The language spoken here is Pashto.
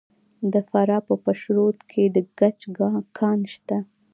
د فراه په پشت رود کې د ګچ کان شته.